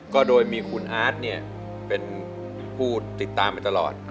ก็โดยมีคุณอาร์ตเป็นผู้ติดตามมาตลอด